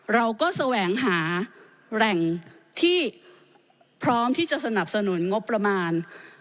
เราก็แสวงหาแหล่งที่พร้อมที่จะสนับสนุนงบประมาณ